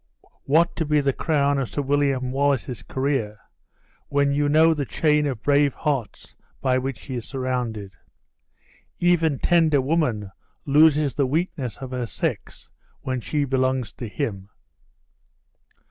what to be the crown of Sir William Wallace's career, when you know the chain of brave hearts by which he is surrounded? Even tender woman loses the weakness of her sex when she belongs to him."